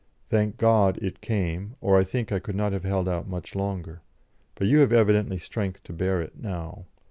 Thank God it came, or I think I could not have held out much longer. But you have evidently strength to bear it now.